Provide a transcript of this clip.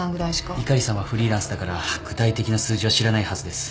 碇さんはフリーランスだから具体的な数字は知らないはずです。